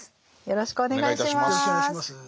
よろしくお願いします。